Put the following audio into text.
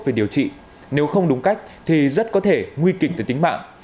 và tự điều trị nếu không đúng cách thì rất có thể nguy kịch tới tính mạng